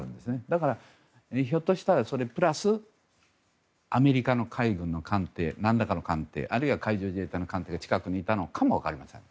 だから、ひょっとしたらそれプラス、アメリカの海軍の何らかの艦艇あるいは海上自衛隊の艦艇が近くにいたのかも分かりません。